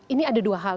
ini ada dua hal